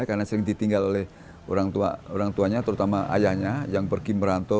karena sering ditinggal oleh orang tuanya terutama ayahnya yang pergi merantau